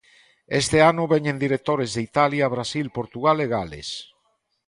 Este ano veñen directores de Italia, Brasil, Portugal e Gales.